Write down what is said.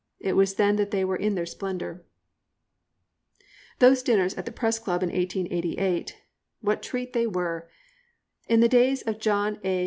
It was then they were in their splendour. Those dinners at the Press Club in 1888, what treat they were! In the days of John A.